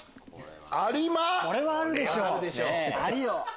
これはあるでしょ！